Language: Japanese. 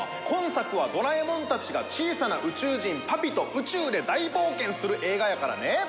今作はドラえもんたちが小さな宇宙人パピと宇宙で大冒険する映画やからね。